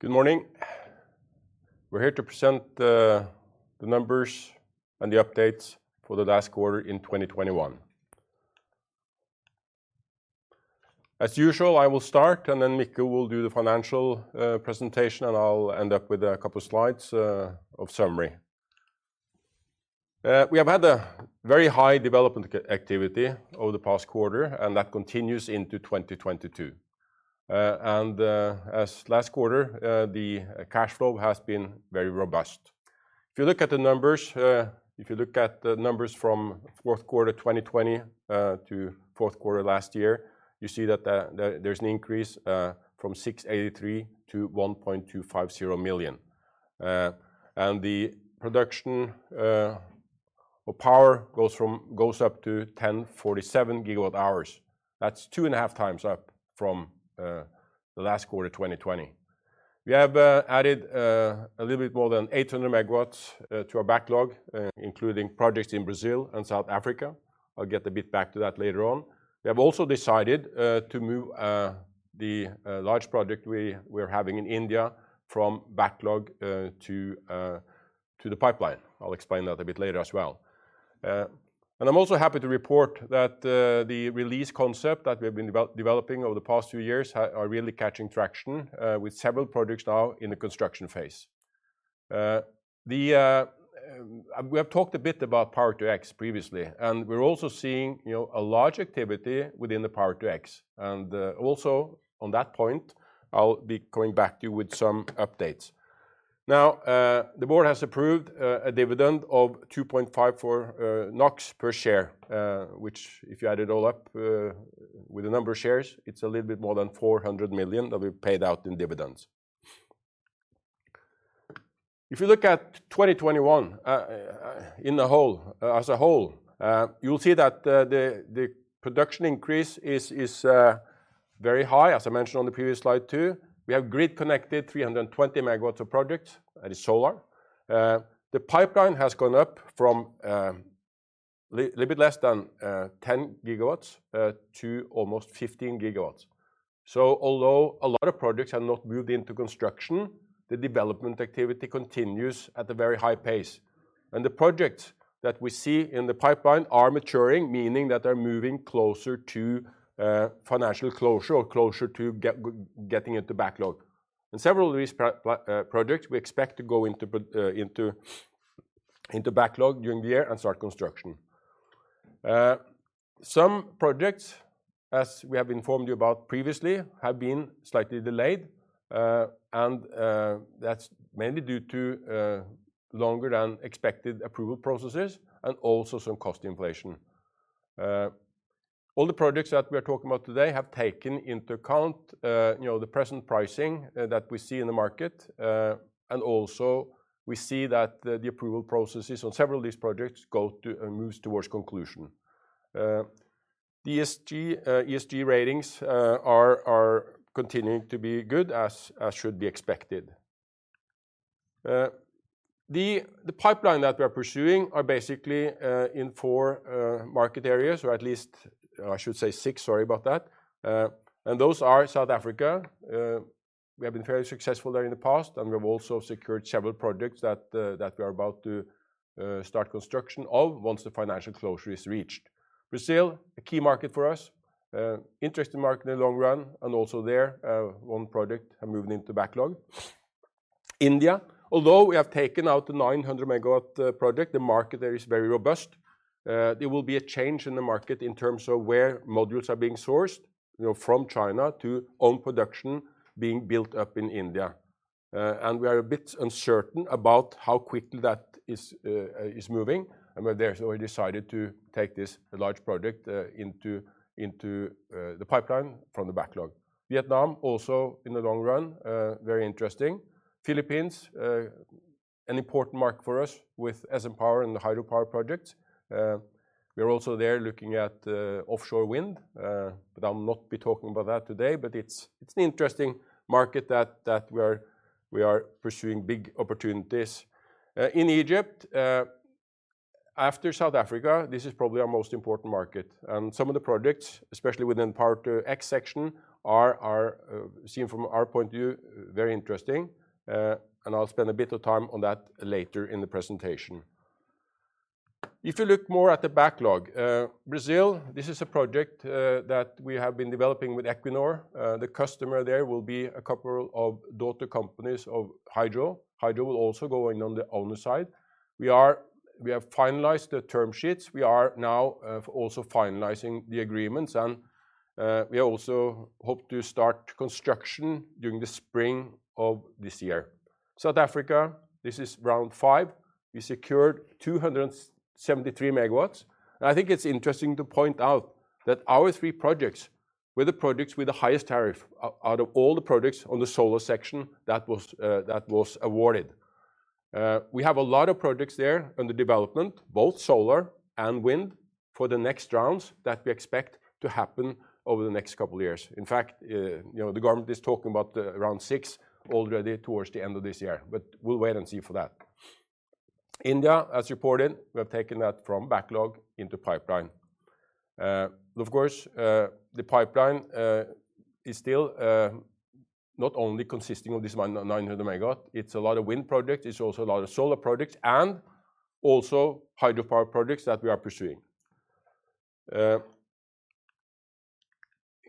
Good morning. We're here to present the numbers and the updates for the last quarter in 2021. As usual, I will start, and then Mikkel will do the financial presentation, and I'll end up with a couple slides of summary. We have had a very high development activity over the past quarter, and that continues into 2022. As last quarter, the cash flow has been very robust. If you look at the numbers, if you look at the numbers from Q4 2020 to Q4 last year, you see that there's an increase from 683 million to NOK 1,250 million. The production or power goes up to 1,047 GWh. That's 2.5 times up from the last quarter 2020. We have added a little bit more than 800 MW to our backlog, including projects in Brazil and South Africa. I'll get a bit back to that later on. We have also decided to move the large project we're having in India from backlog to the pipeline. I'll explain that a bit later as well. I'm also happy to report that the Release concept that we have been developing over the past few years are really catching traction with several projects now in the construction phase. We have talked a bit about Power-to-X previously, and we're also seeing, you know, a large activity within the Power-to-X. Also on that point, I'll be coming back to you with some updates. Now, the board has approved a dividend of 2.54 NOK per share, which if you add it all up, with the number of shares, it's a little bit more than 400 million that we paid out in dividends. If you look at 2021, as a whole, you'll see that the production increase is very high, as I mentioned on the previous slide too. We have grid-connected 320 MW of projects, that is solar. The pipeline has gone up from a little bit less than 10 GW to almost 15 GW. Although a lot of projects have not moved into construction, the development activity continues at a very high pace. The projects that we see in the pipeline are maturing, meaning that they're moving closer to financial closure or closer to getting into backlog. Several of these projects we expect to go into backlog during the year and start construction. Some projects, as we have informed you about previously, have been slightly delayed. That's mainly due to longer than expected approval processes and also some cost inflation. All the projects that we are talking about today have taken into account you know the present pricing that we see in the market. We see that the approval processes on several of these projects move towards conclusion. The ESG ratings are continuing to be good as should be expected. The pipeline that we are pursuing are basically in four market areas, or at least I should say six, sorry about that. Those are South Africa. We have been very successful there in the past, and we've also secured several projects that we are about to start construction of once the financial closure is reached. Brazil, a key market for us. Interesting market in the long run, and also there, one project are moving into backlog. India, although we have taken out the 900 MW project, the market there is very robust. There will be a change in the market in terms of where modules are being sourced, you know, from China to own production being built up in India. We are a bit uncertain about how quickly that is moving, and we're there, so we decided to take this large project into the pipeline from the backlog. Vietnam also in the long run very interesting. Philippines, an important market for us with SN Power and the hydropower projects. We are also there looking at offshore wind, but I'll not be talking about that today, but it's an interesting market that we are pursuing big opportunities. In Egypt, after South Africa, this is probably our most important market. Some of the projects, especially within Power-to-X section, are seen from our point of view, very interesting. I'll spend a bit of time on that later in the presentation. If you look more at the backlog, Brazil, this is a project that we have been developing with Equinor. The customer there will be a couple of daughter companies of Hydro. Hydro will also go in on the owner side. We have finalized the term sheets. We are now also finalizing the agreements and we also hope to start construction during the spring of this year. South Africa, this is Round Five. We secured 273 MW. I think it's interesting to point out that our three projects were the projects with the highest tariff out of all the projects on the solar section that was awarded. We have a lot of projects there under development, both solar and wind, for the next rounds that we expect to happen over the next couple of years. In fact, you know, the government is talking about Round Six already towards the end of this year, but we'll wait and see for that. India, as reported, we have taken that from backlog into pipeline. Of course, the pipeline is still not only consisting of this 900 MW, it's a lot of wind project, it's also a lot of solar projects, and also hydropower projects that we are pursuing.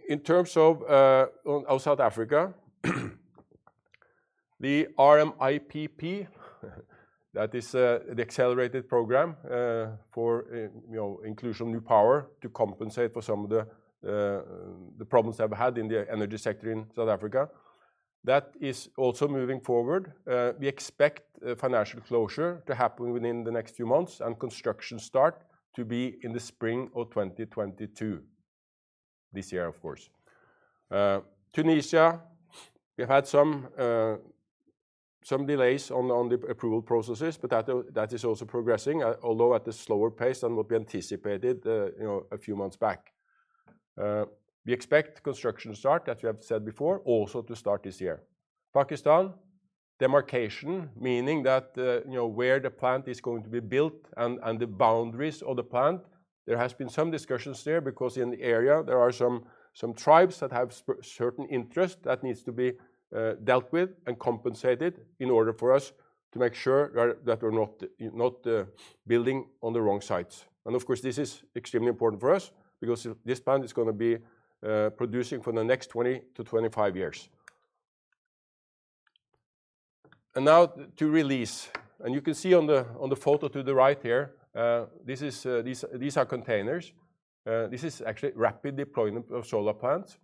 In terms of of South Africa, the RMIPPPP, that is the accelerated program for, you know, including new power to compensate for some of the the problems they've had in the energy sector in South Africa. That is also moving forward. We expect financial closure to happen within the next few months and construction start to be in the spring of 2022. This year, of course. Tunisia, we had some delays on the approval processes, but that is also progressing, although at a slower pace than what we anticipated, you know, a few months back. We expect construction start, as we have said before, also to start this year. Pakistan, demarcation, meaning that where the plant is going to be built and the boundaries of the plant, there has been some discussions there because in the area, there are some tribes that have certain interest that needs to be dealt with and compensated in order for us to make sure that we're not building on the wrong sites. Of course, this is extremely important for us because this plant is gonna be producing for the next 20-25 years. Now to Release. You can see on the photo to the right here, this is these are containers. This is actually rapid deployment of solar plants.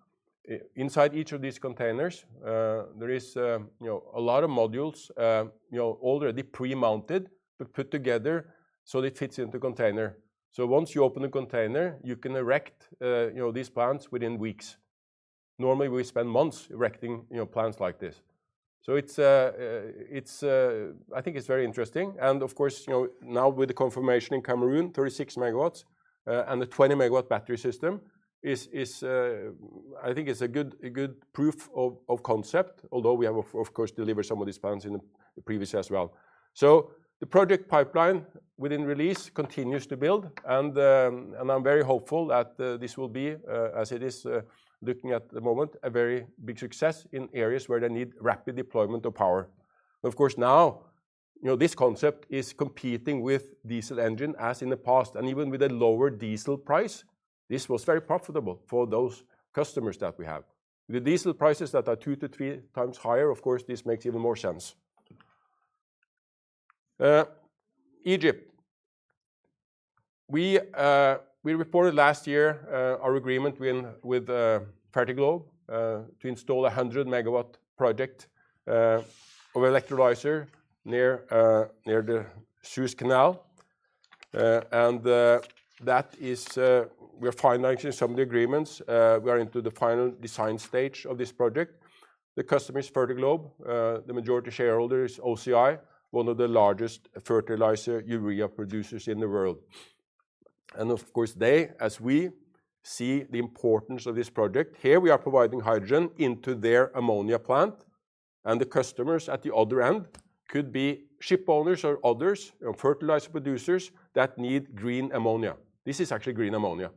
Inside each of these containers, there is you know a lot of modules you know already pre-mounted, but put together so that it fits into container. Once you open the container, you can erect you know these plants within weeks. Normally, we spend months erecting you know plants like this. It's I think it's very interesting. Of course you know now with the confirmation in Cameroon, 36 MW and the 20-MW battery system is I think it's a good proof of concept, although we have of course delivered some of these plants in the previous years as well. The project pipeline within Release continues to build, and I'm very hopeful that this will be, as it is looking at the moment, a very big success in areas where they need rapid deployment of power. Of course, now, you know, this concept is competing with diesel engines as in the past, and even with a lower diesel price, this was very profitable for those customers that we have. With diesel prices that are two-three times higher, of course, this makes even more sense. Egypt. We reported last year our agreement win with Fertiglobe to install a 100-MW project of electrolyzer near the Suez Canal. And that is, we are finalizing some of the agreements. We are into the final design stage of this project. The customer is Fertiglobe. The majority shareholder is OCI, one of the largest fertilizer urea producers in the world. Of course, they, as we, see the importance of this project. Here we are providing hydrogen into their ammonia plant, and the customers at the other end could be ship owners or others, you know, fertilizer producers that need green ammonia. This is actually green ammonia.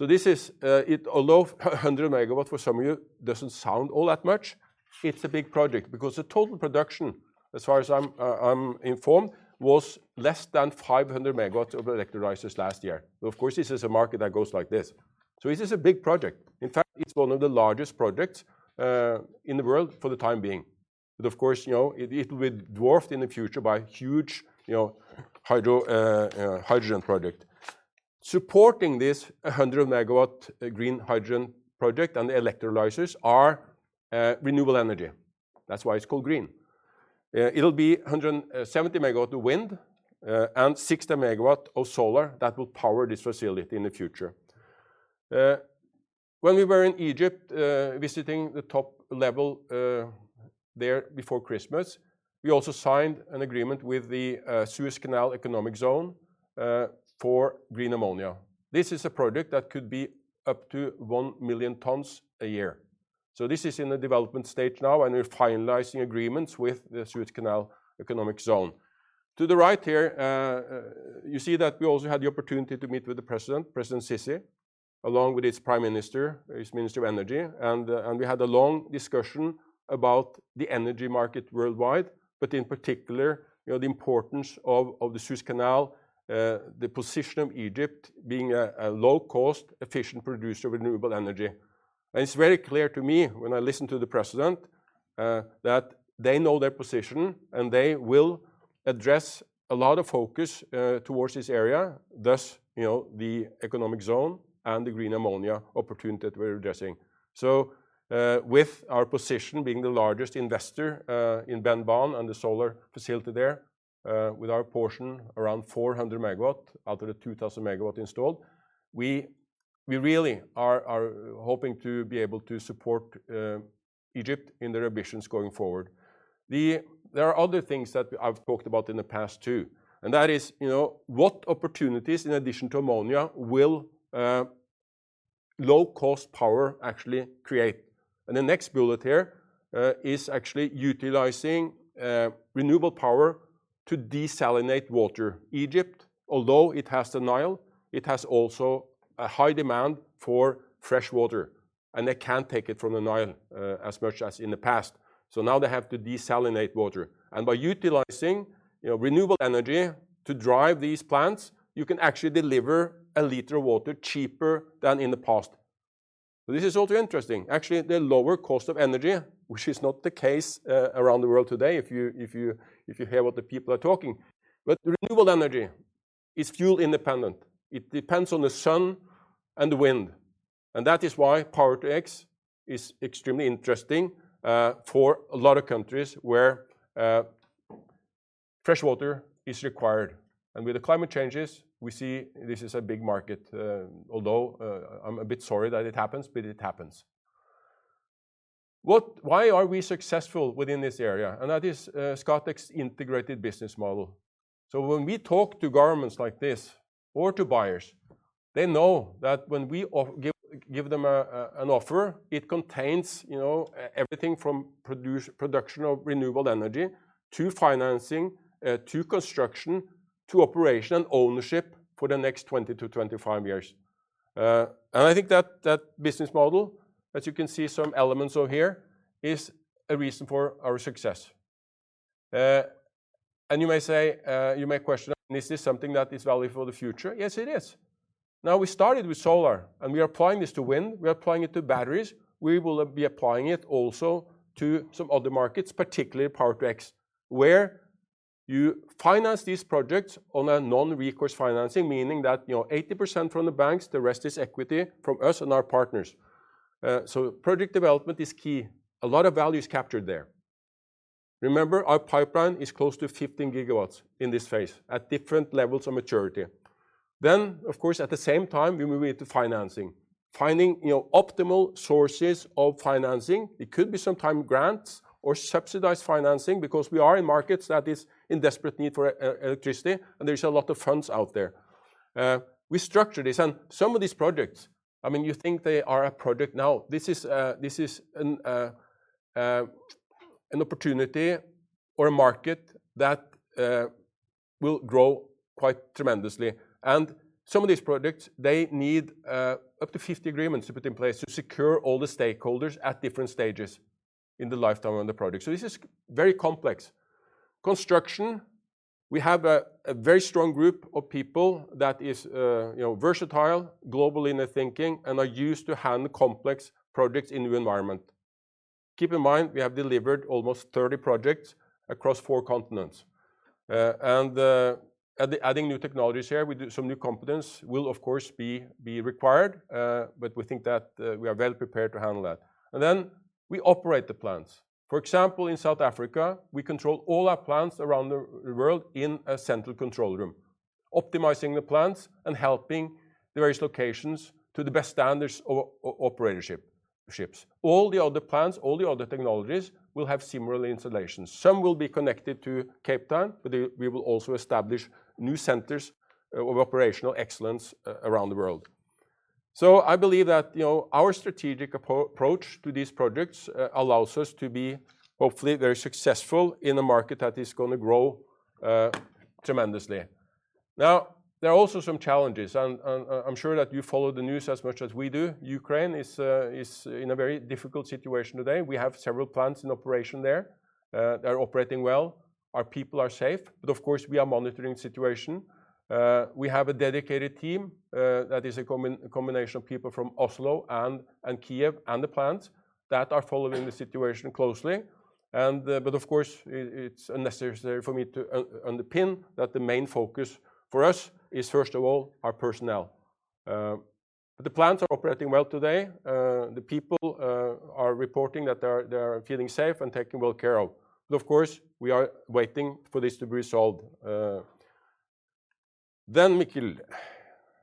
Although 100 MW for some of you doesn't sound all that much, it's a big project because the total production, as far as I'm informed, was less than 500 MW of electrolyzers last year. Of course, this is a market that goes like this. This is a big project. In fact, it's one of the largest projects in the world for the time being. Of course, you know, it'll be dwarfed in the future by huge, you know, hydrogen project. Supporting this 100-MW green hydrogen project and the electrolyzers are renewable energy. That's why it's called green. It'll be 170 MW of wind and 60 MW of solar that will power this facility in the future. When we were in Egypt, visiting the top level there before Christmas, we also signed an agreement with the Suez Canal Economic Zone for green ammonia. This is a project that could be up to 1 million tons a year. This is in the development stage now, and we're finalizing agreements with the Suez Canal Economic Zone. To the right here, you see that we also had the opportunity to meet with the president, President Sisi, along with his prime minister, his minister of energy, and we had a long discussion about the energy market worldwide, but in particular, you know, the importance of the Suez Canal, the position of Egypt being a low-cost, efficient producer of renewable energy. It's very clear to me when I listen to the president, that they know their position, and they will address a lot of focus towards this area, thus, you know, the economic zone and the green ammonia opportunity that we're addressing. With our position being the largest investor in Benban and the solar facility there, with our portion around 400 MW out of the 2,000 MW installed, we really are hoping to be able to support Egypt in their ambitions going forward. There are other things that I've talked about in the past too, and that is, you know, what opportunities in addition to ammonia will low-cost power actually create. The next bullet here is actually utilizing renewable power to desalinate water. Egypt, although it has the Nile, it has also a high demand for fresh water, and they can't take it from the Nile as much as in the past. Now they have to desalinate water. By utilizing, you know, renewable energy to drive these plants, you can actually deliver a liter of water cheaper than in the past. This is also interesting. Actually, the lower cost of energy, which is not the case around the world today if you hear what the people are talking. Renewable energy is fuel independent. It depends on the sun and the wind, and that is why Power-to-X is extremely interesting for a lot of countries where fresh water is required. With the climate changes, we see this is a big market, although I'm a bit sorry that it happens, but it happens. Why are we successful within this area? That is Scatec's integrated business model. When we talk to governments like this or to buyers, they know that when we off... Give them an offer. It contains, you know, everything from production of renewable energy to financing, to construction, to operation and ownership for the next 20-25 years. I think that business model, as you can see some elements of here, is a reason for our success. You may say, you may question, is this something that is valid for the future? Yes, it is. Now, we started with solar, and we are applying this to wind, we are applying it to batteries, we will be applying it also to some other markets, particularly Power-to-X, where you finance these projects on a non-recourse financing, meaning that, you know, 80% from the banks, the rest is equity from us and our partners. Project development is key. A lot of value is captured there. Remember, our pipeline is close to 15 gigawatts in this phase at different levels of maturity. Of course, at the same time, we move into financing, finding, you know, optimal sources of financing. It could be sometime grants or subsidized financing because we are in markets that is in desperate need for electricity, and there is a lot of funds out there. We structure this. Some of these projects, I mean, you think they are a project now. This is an opportunity or a market that will grow quite tremendously. Some of these projects, they need up to 50 agreements to put in place to secure all the stakeholders at different stages in the lifetime of the project. This is very complex. Construction, we have a very strong group of people that is, you know, versatile, global in their thinking, and are used to handling complex projects in new environment. Keep in mind, we have delivered almost 30 projects across four continents. Adding new technologies here, we do some new competence will of course be required, but we think that we are well prepared to handle that. Then we operate the plants. For example, in South Africa, we control all our plants around the world in a central control room, optimizing the plants and helping the various locations to the best standards of operations. All the other plants, all the other technologies will have similar installations. Some will be connected to Cape Town, but we will also establish new centers of operational excellence around the world. I believe that, you know, our strategic approach to these projects allows us to be hopefully very successful in a market that is gonna grow tremendously. Now, there are also some challenges, and I'm sure that you follow the news as much as we do. Ukraine is in a very difficult situation today. We have several plants in operation there. They are operating well. Our people are safe. But of course, we are monitoring the situation. We have a dedicated team that is a combination of people from Oslo and Kiev and the plants that are following the situation closely. But of course, it's unnecessary for me to underpin that the main focus for us is, first of all, our personnel. The plants are operating well today. The people are reporting that they are feeling safe and taken well care of. Of course, we are waiting for this to be resolved. Mikkel,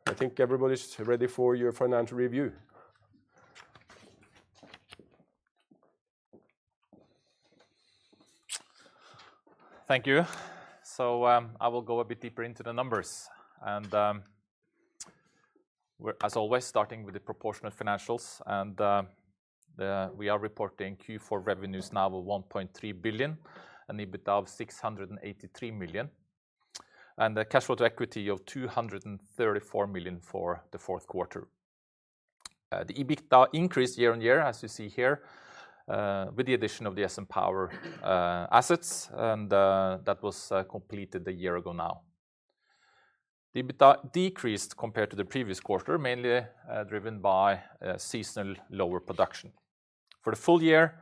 I think everybody's ready for your financial review. Thank you. I will go a bit deeper into the numbers. We're as always starting with the proportionate financials, and we are reporting Q4 revenues now of 1.3 billion and EBITDA of 683 million, and a cash flow to equity of 234 million for the Q4. The EBITDA increased year-on-year, as you see here, with the addition of the SN Power assets, and that was completed a year ago now. The EBITDA decreased compared to the previous quarter, mainly driven by seasonally lower production. For the full year,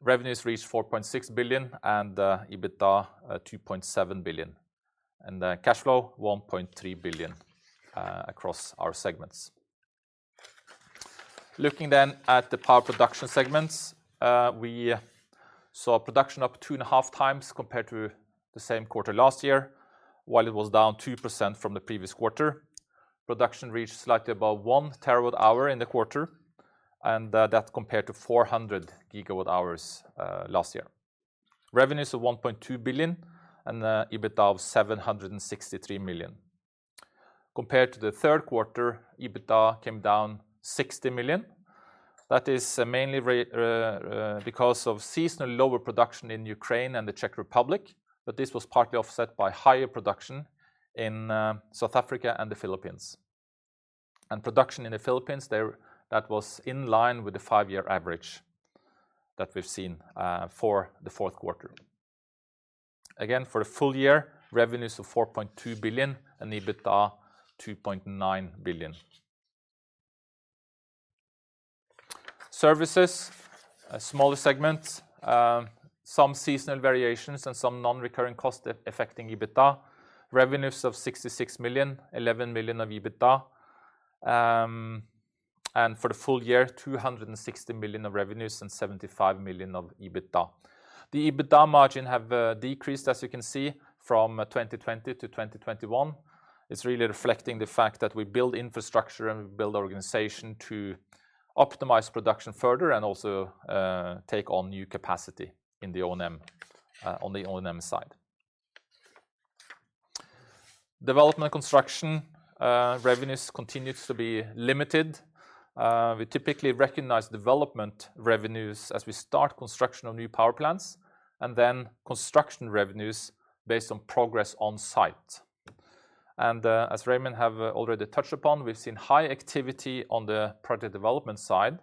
revenues reached 4.6 billion and EBITDA 2.7 billion, and cash flow 1.3 billion across our segments. Looking at the power production segments, we saw production up 2.5 times compared to the same quarter last year. While it was down 2% from the previous quarter. Production reached slightly above 1 TWh in the quarter, and that compared to 400 GWh last year. Revenues of 1.2 billion and EBITDA of 763 million. Compared to the Q3, EBITDA came down 60 million. That is mainly because of seasonal lower production in Ukraine and the Czech Republic, but this was partly offset by higher production in South Africa and the Philippines. Production in the Philippines. That was in line with the five-year average that we've seen for the Q4. Again, for the full year, revenues of 4.2 billion and EBITDA 2.9 billion. Services, a smaller segment. Some seasonal variations and some non-recurring costs affecting EBITDA. Revenues of 66 million, 11 million of EBITDA. For the full year, 260 million of revenues and 75 million of EBITDA. The EBITDA margin have decreased, as you can see, from 2020-2021. It's really reflecting the fact that we build infrastructure and we build our organization to optimize production further and also, take on new capacity in the O&M, on the O&M side. Development and construction, revenues continues to be limited. We typically recognize development revenues as we start construction on new power plants and then construction revenues based on progress on site. As Raymond have already touched upon, we've seen high activity on the project development side.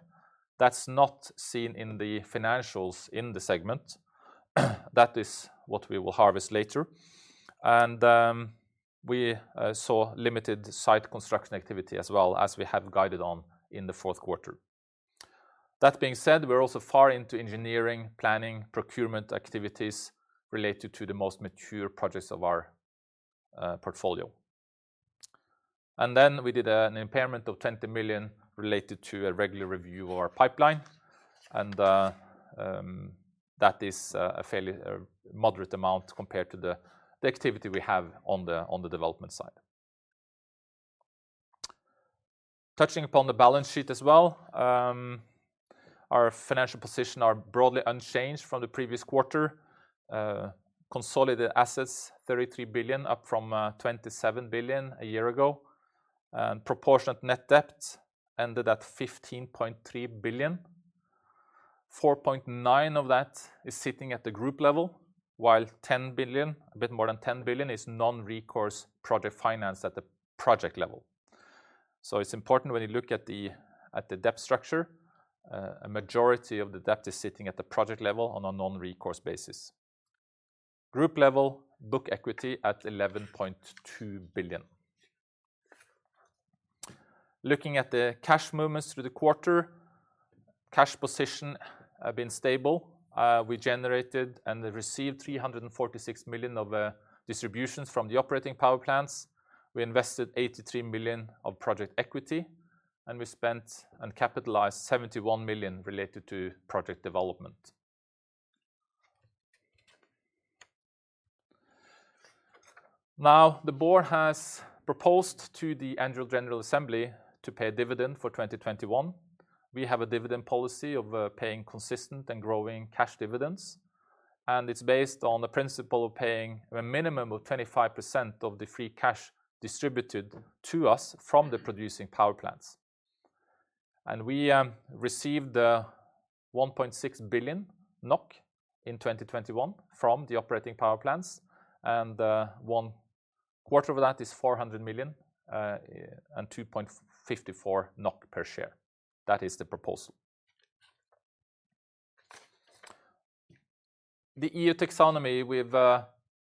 That's not seen in the financials in the segment. That is what we will harvest later. We saw limited site construction activity as well as we have guided on in the Q4. That being said, we're also far into engineering, planning, procurement activities related to the most mature projects of our portfolio. We did an impairment of 20 million related to a regular review of our pipeline, and that is a fairly moderate amount compared to the activity we have on the development side. Touching upon the balance sheet as well, our financial position are broadly unchanged from the previous quarter. Consolidated assets 33 billion, up from 27 billion a year ago. Proportionate net debt ended at 15.3 billion. 4.9 of that is sitting at the group level, while 10 billion, a bit more than 10 billion, is non-recourse project finance at the project level. It's important when you look at the debt structure, a majority of the debt is sitting at the project level on a non-recourse basis. Group level book equity at 11.2 billion. Looking at the cash movements through the quarter, cash position have been stable. We generated and received 346 million of distributions from the operating power plants. We invested 83 million of project equity, and we spent and capitalized 71 million related to project development. Now, the board has proposed to the annual general assembly to pay a dividend for 2021. We have a dividend policy of paying consistent and growing cash dividends, and it's based on the principle of paying a minimum of 25% of the free cash distributed to us from the producing power plants. We received 1.6 billion NOK in 2021 from the operating power plants, and one quarter of that is 400 million and 2.54 NOK per share. That is the proposal. The EU taxonomy we've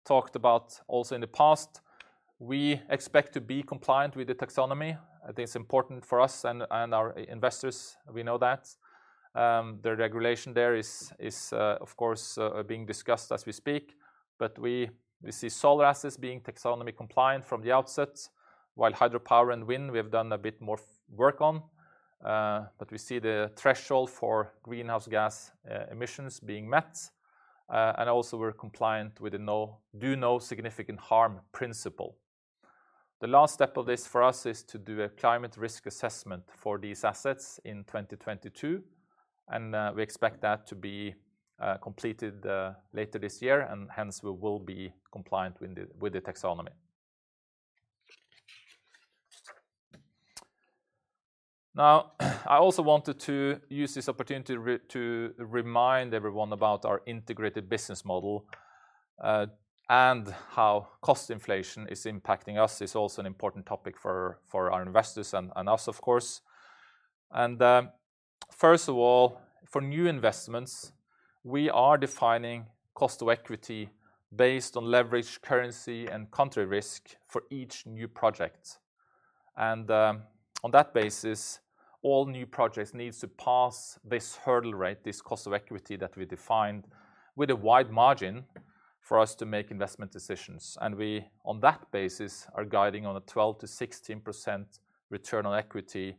talked about also in the past. We expect to be compliant with the taxonomy. I think it's important for us and our investors, we know that. The regulation there is of course being discussed as we speak. We see solar assets being taxonomy-compliant from the outset, while hydropower and wind we have done a bit more work on. We see the threshold for greenhouse gas emissions being met, and also we're compliant with the Do No Significant Harm principle. The last step of this for us is to do a climate risk assessment for these assets in 2022, and we expect that to be completed later this year, and hence we will be compliant with the taxonomy. Now, I also wanted to use this opportunity to remind everyone about our integrated business model, and how cost inflation is impacting us. It's also an important topic for our investors and us, of course. First of all, for new investments, we are defining cost of equity based on leverage, currency, and country risk for each new project. On that basis, all new projects needs to pass this hurdle rate, this cost of equity that we defined, with a wide margin for us to make investment decisions. We, on that basis, are guiding on a 12%-16% return on equity,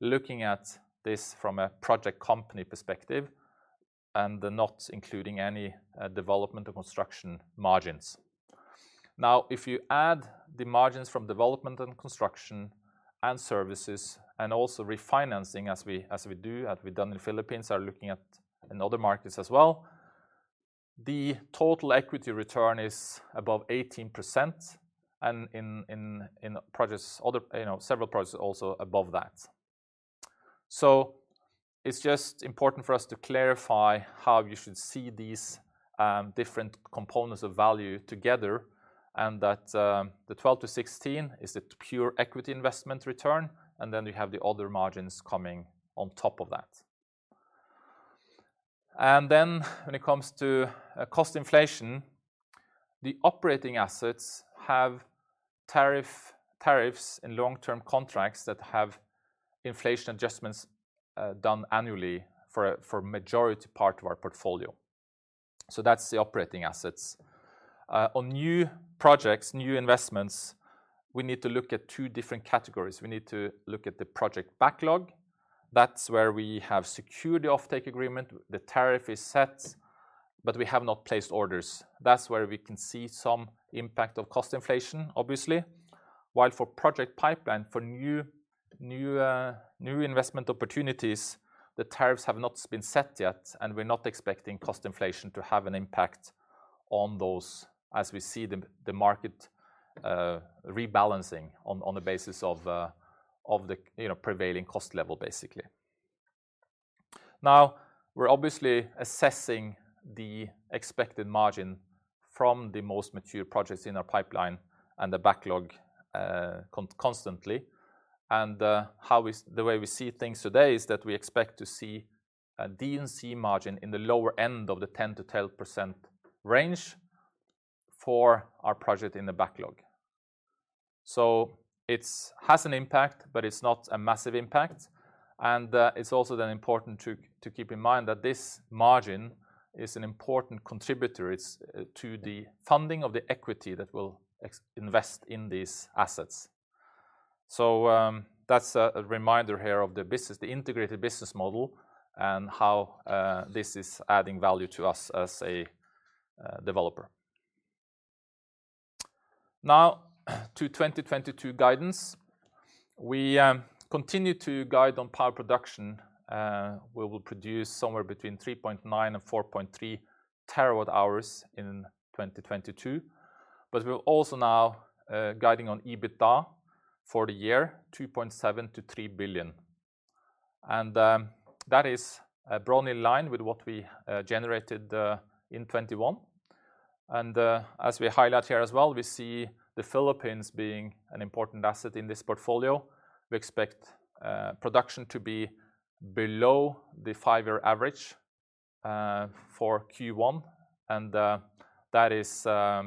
looking at this from a project company perspective and not including any development or construction margins. Now, if you add the margins from development and construction and services and also refinancing as we do, as we've done in Philippines, are looking at in other markets as well, the total equity return is above 18% and in other projects, you know, several projects also above that. It's just important for us to clarify how you should see these, different components of value together and that, the 12%-16% is the pure equity investment return, and then you have the other margins coming on top of that. When it comes to cost inflation, the operating assets have tariffs and long-term contracts that have inflation adjustments done annually for majority part of our portfolio. That's the operating assets. On new projects, new investments, we need to look at two different categories. We need to look at the project backlog. That's where we have secured the offtake agreement. The tariff is set, but we have not placed orders. That's where we can see some impact of cost inflation, obviously. While for project pipeline, for new investment opportunities, the tariffs have not been set yet, and we're not expecting cost inflation to have an impact on those as we see the market rebalancing on the basis of the, you know, prevailing cost level, basically. Now, we're obviously assessing the expected margin from the most mature projects in our pipeline and the backlog constantly. The way we see things today is that we expect to see a D&C margin in the lower end of the 10%-12% range for our project in the backlog. It has an impact, but it's not a massive impact. It's also then important to keep in mind that this margin is an important contributor. It's to the funding of the equity that will be invested in these assets. That's a reminder here of the business, the integrated business model, and how this is adding value to us as a developer. Now to 2022 guidance. We continue to guide on power production. We will produce somewhere between 3.9 and 4.3 terawatt-hours in 2022. We're also now guiding on EBITDA for the year, 2.7 billion-3 billion. That is broadly in line with what we generated in 2021. As we highlight here as well, we see the Philippines being an important asset in this portfolio. We expect production to be below the five-year average for Q1, and that is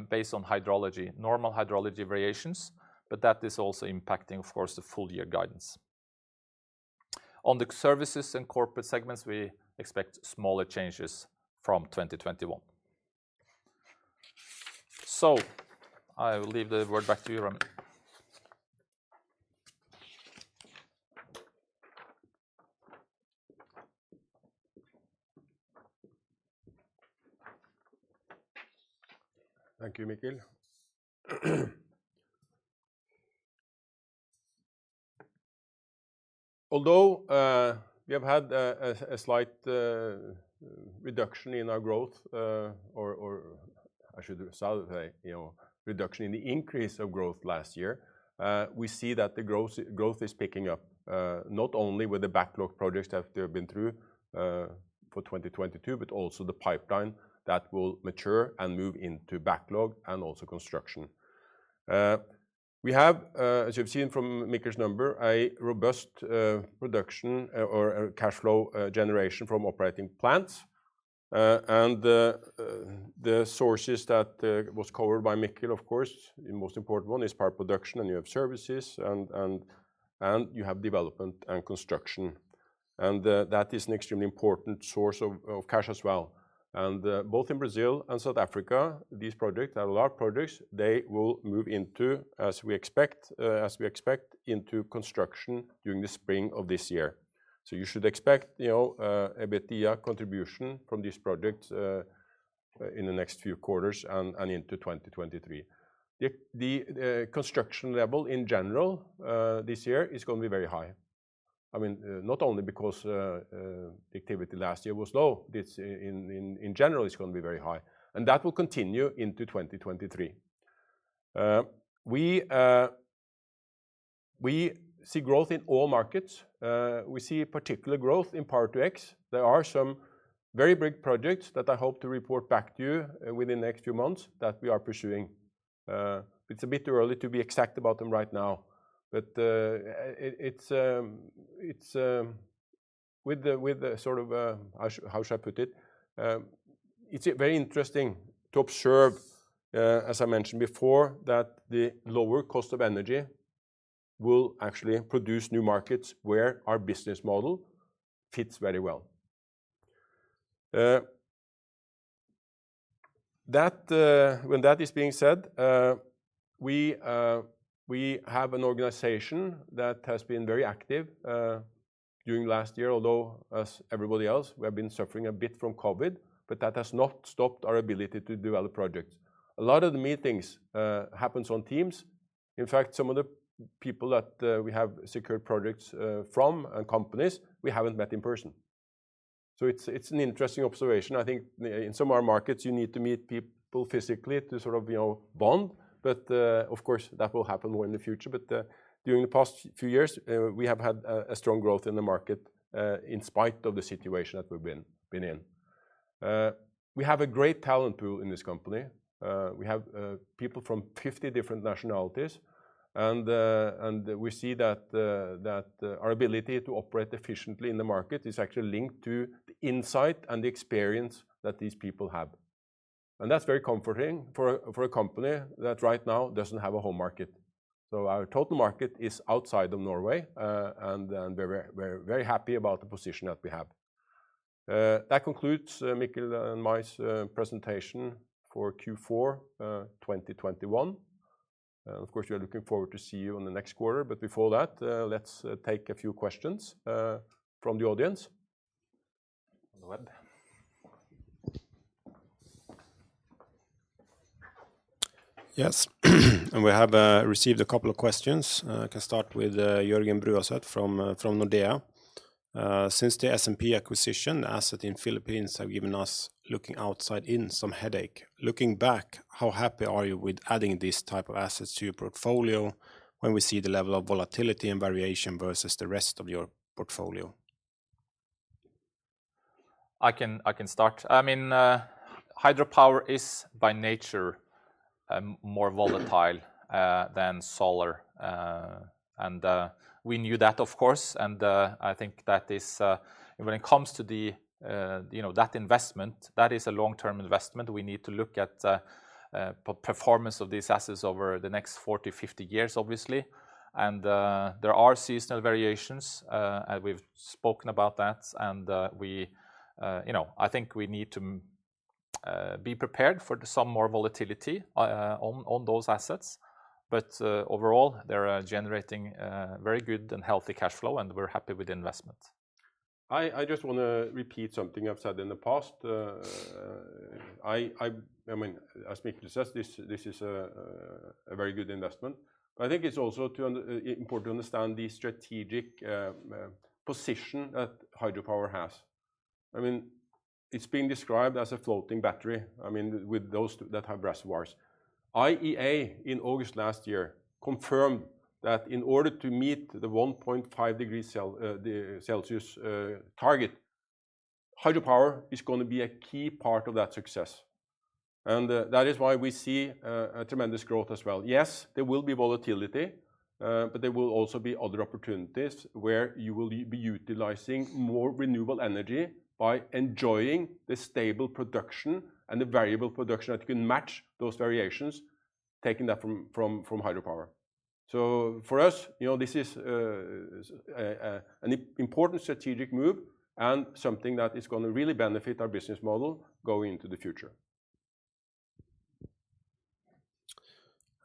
based on hydrology, normal hydrology variations, but that is also impacting, of course, the full year guidance. On the services and corporate segments, we expect smaller changes from 2021. I will hand it back to you, Raymond Carlsen. Thank you, Mikkel. Although we have had a slight reduction in our growth, or I should say, you know, reduction in the increase of growth last year, we see that the growth is picking up, not only with the backlog projects that have been through for 2022, but also the pipeline that will mature and move into backlog and also construction. We have, as you've seen from Mikkel's number, a robust production or cashflow generation from operating plants. The sources that was covered by Mikkel, of course, the most important one is power production, and you have services and you have development and construction. That is an extremely important source of cash as well. Both in Brazil and South Africa, these projects are large projects. They will move into, as we expect, into construction during the spring of this year. You should expect, you know, EBITDA contribution from these projects in the next few quarters and into 2023. The construction level in general this year is gonna be very high. I mean, not only because the activity last year was low. It's in general, it's gonna be very high, and that will continue into 2023. We see growth in all markets. We see particular growth in Power-to-X. There are some very big projects that I hope to report back to you within the next few months that we are pursuing. It's a bit early to be exact about them right now, but it's very interesting to observe, as I mentioned before, that the lower cost of energy will actually produce new markets where our business model fits very well. That, when that is being said, we have an organization that has been very active during last year, although, as everybody else, we have been suffering a bit from COVID, but that has not stopped our ability to develop projects. A lot of the meetings happens on Teams. In fact, some of the people that we have secured projects from and companies we haven't met in person. It's an interesting observation. I think in some of our markets you need to meet people physically to sort of, you know, bond, but of course, that will happen more in the future. During the past few years, we have had a strong growth in the market, in spite of the situation that we've been in. We have a great talent pool in this company. We have people from 50 different nationalities and we see that our ability to operate efficiently in the market is actually linked to insight and experience that these people have. That's very comforting for a company that right now doesn't have a home market. Our total market is outside of Norway, and then we're very happy about the position that we have. That concludes Mikkel and my's presentation for Q4 2021. Of course, we are looking forward to see you on the next quarter. Before that, let's take a few questions from the audience. On the web. Yes, we have received a couple of questions. We can start with Jørgen Bruseth from Nordea. Since the SN Power acquisition asset in the Philippines has given us some headache. Looking back, how happy are you with adding these type of assets to your portfolio when we see the level of volatility and variation versus the rest of your portfolio? I can start. I mean, hydropower is by nature more volatile than solar. We knew that, of course, and I think that is. When it comes to, you know, that investment, that is a long-term investment. We need to look at performance of these assets over the next 40, 50 years, obviously. There are seasonal variations, we've spoken about that. You know, I think we need to be prepared for some more volatility on those assets. Overall, they are generating very good and healthy cash flow, and we're happy with the investment. I just wanna repeat something I've said in the past. I mean, as Mikkel says, this is a very good investment. I think it's also important to understand the strategic position that hydropower has. I mean, it's been described as a floating battery, I mean, with those that have reservoirs. IEA in August last year confirmed that in order to meet the 1.5-degree Celsius target, hydropower is gonna be a key part of that success, and that is why we see a tremendous growth as well. Yes, there will be volatility, but there will also be other opportunities where you will be utilizing more renewable energy by enjoying the stable production and the variable production that you can match those variations, taking that from hydropower. For us, you know, this is an important strategic move and something that is gonna really benefit our business model going into the future.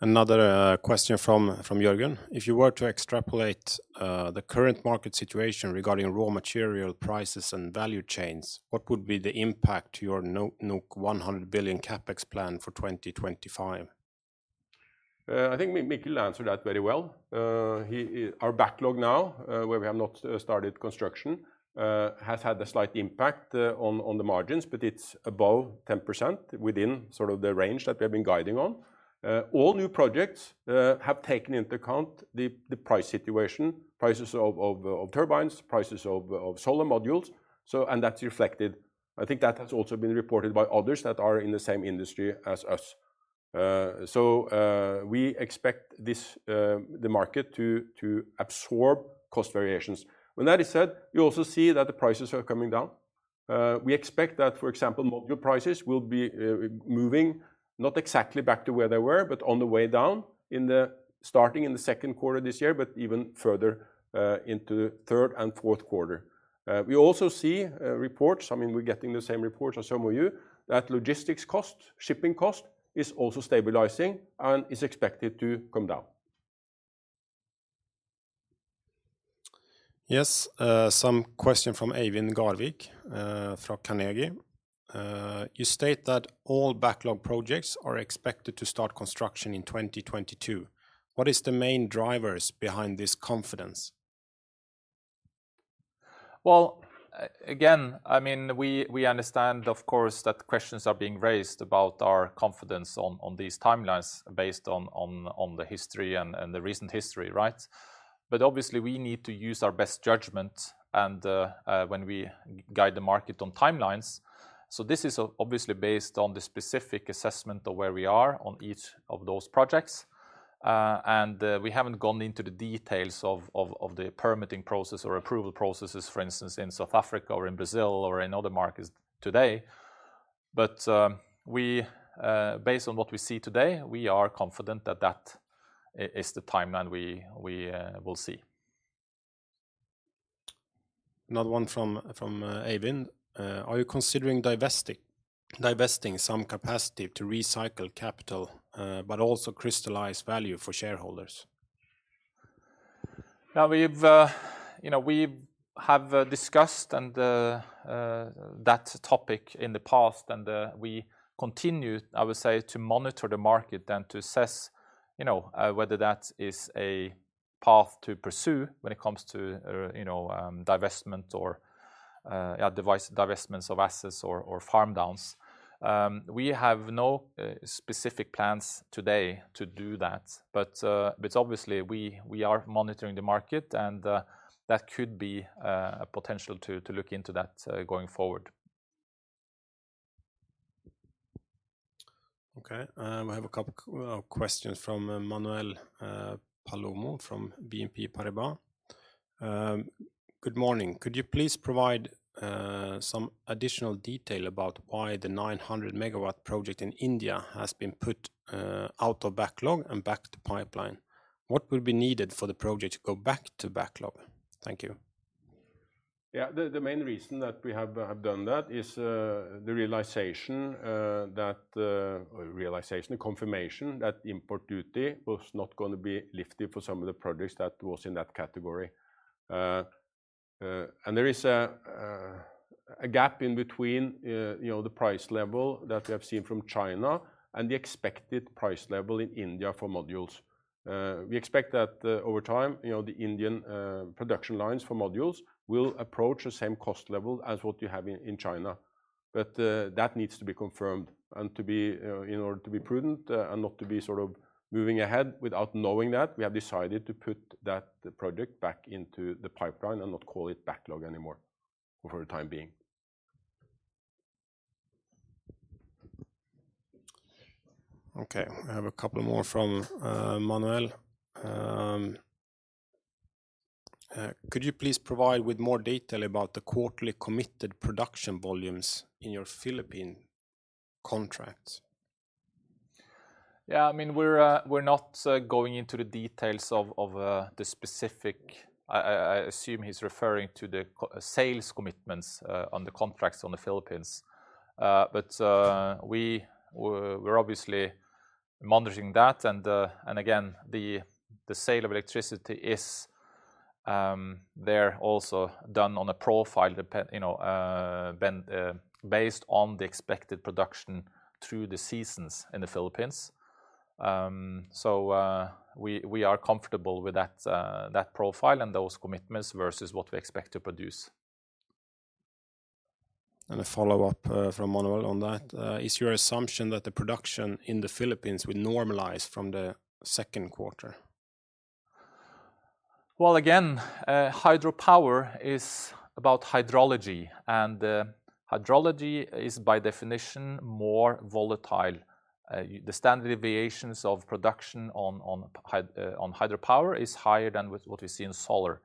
Another question from Jørgen. If you were to extrapolate the current market situation regarding raw material prices and value chains, what would be the impact to your 100 billion CapEx plan for 2025? I think Mikkel answered that very well. Our backlog now, where we have not started construction, has had a slight impact on the margins, but it's above 10% within sort of the range that we have been guiding on. All new projects have taken into account the price situation, prices of turbines, prices of solar modules. That's reflected. I think that has also been reported by others that are in the same industry as us. We expect the market to absorb cost variations. When that is said, you also see that the prices are coming down. We expect that, for example, module prices will be moving not exactly back to where they were, but on the way down in the Starting in the Q2 this year, but even further into Q3 and Q4. We also see reports. I mean, we're getting the same reports as some of you, that logistics cost, shipping cost is also stabilizing and is expected to come down. Yes. Some question from Eivind Garvik from Carnegie. You state that all backlog projects are expected to start construction in 2022. What is the main drivers behind this confidence? Well, again, I mean, we understand, of course, that questions are being raised about our confidence on these timelines based on the history and the recent history, right? Obviously, we need to use our best judgment and when we guide the market on timelines. This is obviously based on the specific assessment of where we are on each of those projects. We haven't gone into the details of the permitting process or approval processes, for instance, in South Africa or in Brazil or in other markets today. Based on what we see today, we are confident that that is the timeline we will see. Another one from Eivind. Are you considering divesting some capacity to recycle capital, but also crystallize value for shareholders? Now we've you know we have discussed that topic in the past and we continue, I would say, to monitor the market and to assess you know whether that is a path to pursue when it comes to you know divestment or divestments of assets or farm downs. We have no specific plans today to do that, but obviously we are monitoring the market and that could be a potential to look into that going forward. Okay. I have a couple questions from Manuel Palomo from BNP Paribas. Good morning. Could you please provide some additional detail about why the 900-megawatt project in India has been put out of backlog and back to pipeline? What will be needed for the project to go back to backlog? Thank you. Yeah. The main reason that we have done that is the realization or confirmation that import duty was not gonna be lifted for some of the projects that was in that category. There is a gap in between, you know, the price level that we have seen from China and the expected price level in India for modules. We expect that over time, you know, the Indian production lines for modules will approach the same cost level as what you have in China. That needs to be confirmed and, in order to be prudent, and not to be sort of moving ahead without knowing that, we have decided to put that project back into the pipeline and not call it backlog anymore for the time being. Okay. I have a couple more from Manuel. Could you please provide with more detail about the quarterly committed production volumes in your Philippine contract? Yeah. I mean, we're not going into the details of the specific. I assume he's referring to the co-sales commitments on the contracts in the Philippines. We're obviously monitoring that and again, the sale of electricity is also done there on a profile-dependent basis, you know, based on the expected production through the seasons in the Philippines. We are comfortable with that profile and those commitments versus what we expect to produce. A follow-up from Manuel on that. Is your assumption that the production in the Philippines will normalize from the Q2? Well, again, hydropower is about hydrology, and hydrology is by definition more volatile. The standard deviations of production on hydropower is higher than with what we see in solar.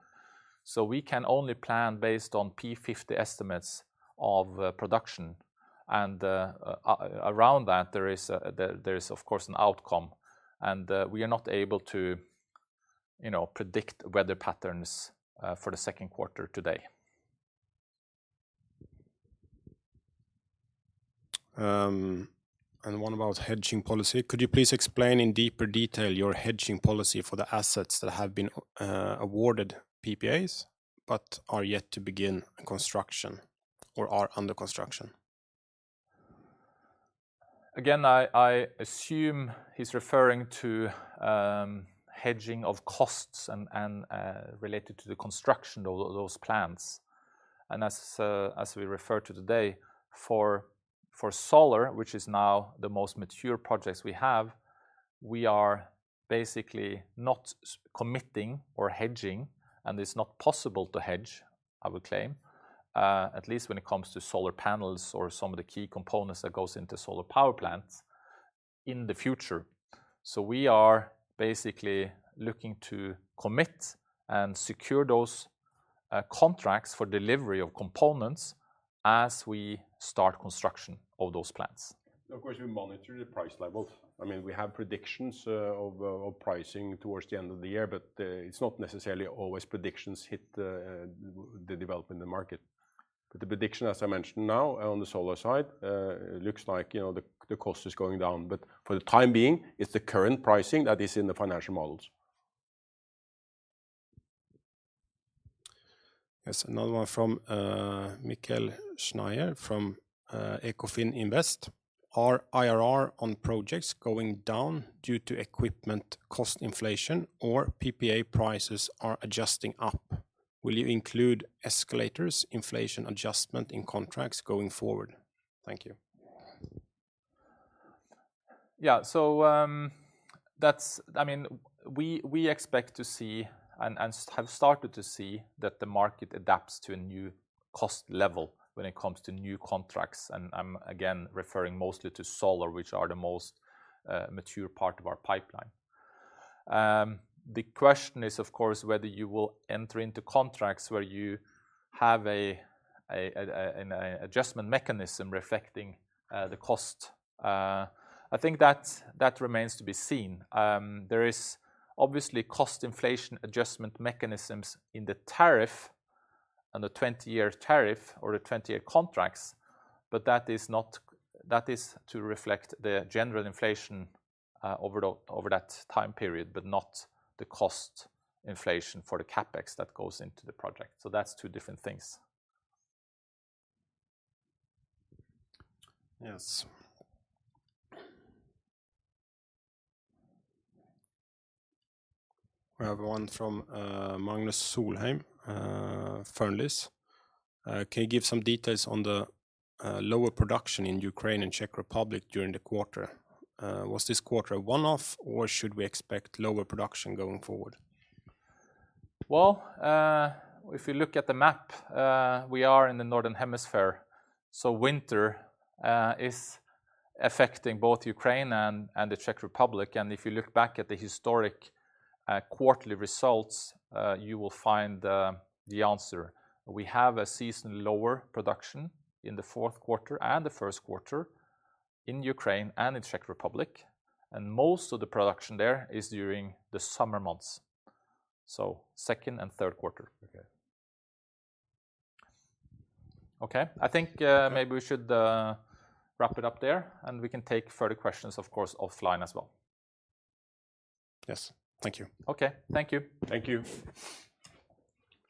We can only plan based on P50 estimates of production, and around that, there is of course an outcome, and we are not able to, you know, predict weather patterns for the Q2 today. One about hedging policy. Could you please explain in deeper detail your hedging policy for the assets that have been awarded PPAs but are yet to begin construction or are under construction? I assume he's referring to hedging of costs and related to the construction of those plants. As we referred to today, for solar, which is now the most mature projects we have, we are basically not committing or hedging, and it's not possible to hedge, I would claim, at least when it comes to solar panels or some of the key components that goes into solar power plants in the future. We are basically looking to commit and secure those contracts for delivery of components as we start construction of those plants. Of course, we monitor the price levels. I mean, we have predictions of pricing towards the end of the year, but it's not necessarily always predictions hit the development in the market. The prediction, as I mentioned now on the solar side, looks like, you know, the cost is going down. For the time being, it's the current pricing that is in the financial models. Yes. Another one from Michel Sznajer from Ecofin Invest. Are IRR on projects going down due to equipment cost inflation or PPA prices are adjusting up? Will you include escalators, inflation adjustment in contracts going forward? Thank you. Yeah. That's I mean, we expect to see and have started to see that the market adapts to a new cost level when it comes to new contracts. I'm again referring mostly to solar, which are the most mature part of our pipeline. The question is of course, whether you will enter into contracts where you have a adjustment mechanism reflecting the cost. I think that remains to be seen. There is obviously cost inflation adjustment mechanisms in the tariff, on the 20-year tariff or the 20-year contracts, but that is not that is to reflect the general inflation over that time period, but not the cost inflation for the CapEx that goes into the project. That's two different things. Yes. We have one from Magnus Solheim, Fearnley. Can you give some details on the lower production in Ukraine and Czech Republic during the quarter? Was this quarter a one-off, or should we expect lower production going forward? Well, if you look at the map, we are in the Northern Hemisphere, so winter is affecting both Ukraine and the Czech Republic. If you look back at the historical quarterly results, you will find the answer. We have seasonally lower production in the Q4 and the Q1 in Ukraine and in Czech Republic, and most of the production there is during the summer months, so Q2 and Q3. Okay. Okay? I think maybe we should wrap it up there, and we can take further questions, of course, offline as well. Yes. Thank you. Okay. Thank you. Thank you.